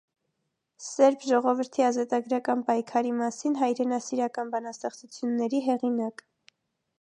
Սերբ ժողովրդի ազատագրական պայքարի մասին հայրենասիրական բանաստեղծությունների հեղինակ։